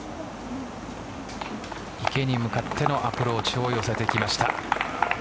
池に向かってのアプローチを寄せてきました。